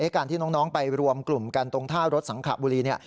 การที่น้องไปรวมกลุ่มกันตรงท่ารถสังขบุรี